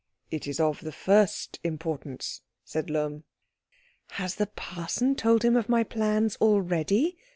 "It is of the first importance," said Lohm. "Has the parson told him of my plans already?"